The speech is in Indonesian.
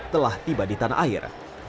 telah tiba di tanah air